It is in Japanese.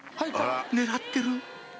狙ってる」